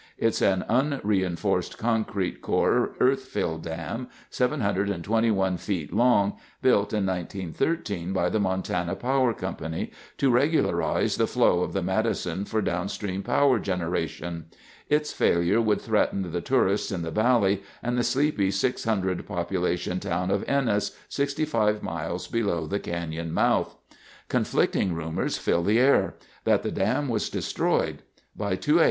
It's an un reinforced concrete core earthfill dam 721 feet long, built in 1913 by the Montana Power Co. to regularize the flow of the Madison for downstream power generation. Its failure would threaten the tourists in the valley, and the sleepy 600 population town of Ennis, 65 miles below the canyon mouth. Conflicting rumors filled the air—that the dam was destroyed. By 2:00 A.